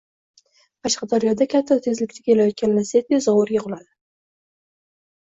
Qashqadaryoda katta tezlikda ketayotgan Lacetti zovurga quladi